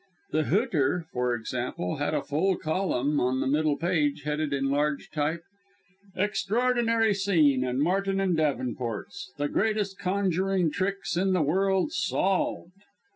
The Hooter, for example, had a full column on the middle page headed in large type EXTRAORDINARY SCENE AT MARTIN AND DAVENPORT'S THE GREATEST CONJURING TRICKS IN THE WORLD SOLVED!